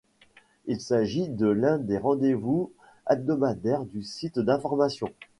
Il s'agit de l'un des rendez-vous hebdomadaires du site d'information.